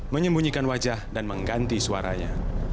menyembunyikan wajah dan mengganti suaranya